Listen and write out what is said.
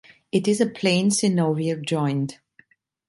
It is a plane synovial joint.